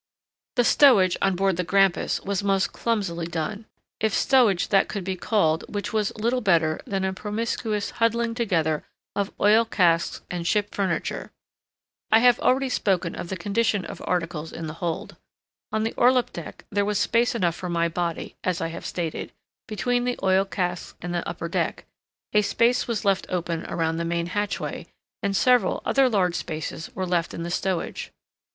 The stowage on board the Grampus was most clumsily done, if stowage that could be called which was little better than a promiscuous huddling together of oil casks {*1} and ship furniture. I have already spoken of the condition of articles in the hold. On the orlop deck there was space enough for my body (as I have stated) between the oil casks and the upper deck; a space was left open around the main hatchway; and several other large spaces were left in the stowage.